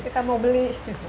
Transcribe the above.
kita mau beli